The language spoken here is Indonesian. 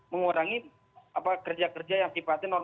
mengurangi kerja kerja yang sifatnya